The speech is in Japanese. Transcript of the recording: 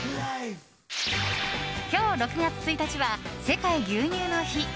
今日６月１日は世界牛乳の日。